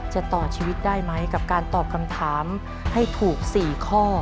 จะต่อชีวิตได้ไหมกับการตอบคำถามให้ถูก๔ข้อ